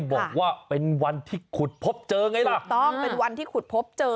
บอกว่าเป็นวันที่ขุดพบเจอไงล่ะถูกต้องเป็นวันที่ขุดพบเจอ